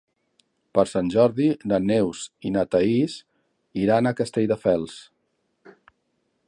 Per Sant Jordi na Neus i na Thaís iran a Castelldefels.